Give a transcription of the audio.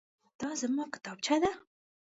دا زما کتابچه ده.